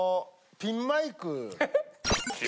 ピンマイク。